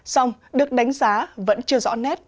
xong được đánh giá vẫn chưa rõ nét